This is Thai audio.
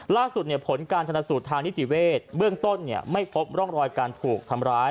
ล่าสุดผลการชนสูตรทางนิติเวศเบื้องต้นไม่พบร่องรอยการถูกทำร้าย